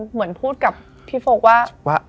เหมือนพูดกับพี่โฟกว่า